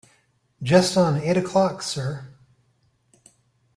Just on eight o'clock, sir.